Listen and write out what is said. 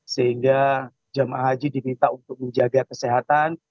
sehingga jemaah haji diminta untuk menjaga kesehatan